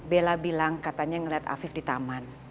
bella bilang katanya ngelihat afif di taman